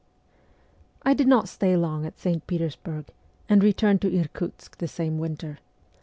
I DID not stay long at St. Petersburg, and returned to Irkutsk the same winter.